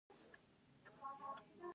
د غړکی شلومبی خوندوری وی.